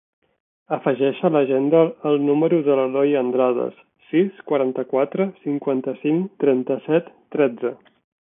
Afegeix a l'agenda el número de l'Eloy Andrades: sis, quaranta-quatre, cinquanta-cinc, trenta-set, tretze.